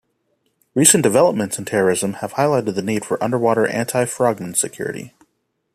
Recent developments in terrorism have highlighted the need for underwater anti-frogman security.